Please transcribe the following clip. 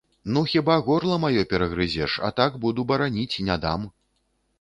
Ну, хіба горла маё перагрызеш, а так буду бараніць, не дам.